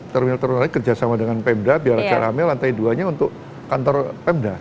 terminal terminalnya kerjasama dengan pemda biar rame lantai dua nya untuk kantor pemda